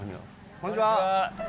こんにちは。